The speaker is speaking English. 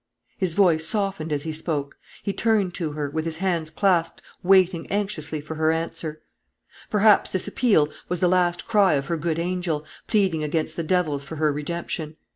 His voice softened as he spoke. He turned to her, with his hands clasped, waiting anxiously for her answer. Perhaps this appeal was the last cry of her good angel, pleading against the devils for her redemption.